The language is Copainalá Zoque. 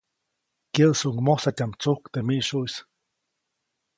Kyäʼsuʼuŋ mojsatyaʼm tsujk teʼ miʼsyuʼis.